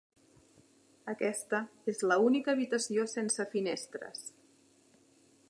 Aquesta és l'única habitació sense finestres.